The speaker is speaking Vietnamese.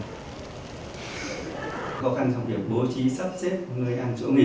khó khăn trong việc bố trí sắp xếp nơi ăn chỗ nghỉ